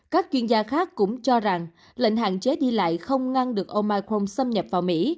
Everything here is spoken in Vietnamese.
các chuyên gia khác cũng cho rằng lệnh hạn chế đi lại không ngăn được ông michron xâm nhập vào mỹ